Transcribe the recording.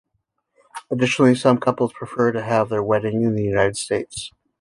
Additionally, some couples prefer to have their wedding in the United States.